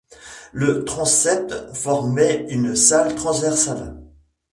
Le transept formait une salle transversale.